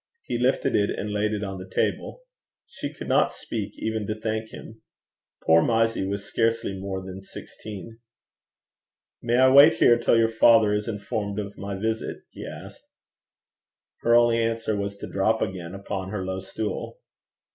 He lifted it and laid it on the table. She could not speak even to thank him. Poor Mysie was scarcely more than sixteen. 'May I wait here till your father is informed of my visit?' he asked. Her only answer was to drop again upon her low stool.